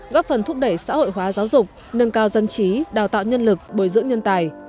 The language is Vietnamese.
góp phần thúc đẩy xã hội hóa giáo dục nâng cao dân trí đào tạo nhân lực bồi dưỡng nhân tài